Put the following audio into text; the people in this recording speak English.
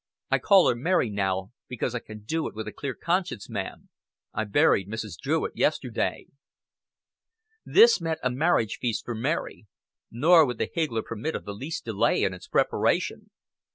"I call her Mary now, because I can do it with a clear conscience, ma'am. I buried Mrs. Druitt yesterday." This meant a marriage feast for Mary; nor would the higgler permit of the least delay in its preparation.